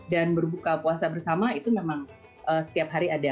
dan berbuka puasa bersama itu memang setiap hari ada